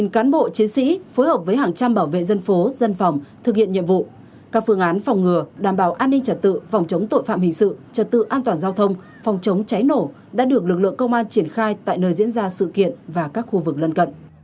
các phương án phòng ngừa đảm bảo an ninh trật tự phòng chống tội phạm hình sự trật tự an toàn giao thông phòng chống cháy nổ đã được lực lượng công an triển khai tại nơi diễn ra sự kiện và các khu vực lân cận